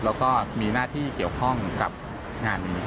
แล้วก็มีหน้าที่เกี่ยวข้องกับงานนี้